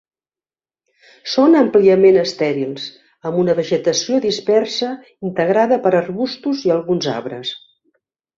Són àmpliament estèrils, amb una vegetació dispersa integrada per arbustos i alguns arbres.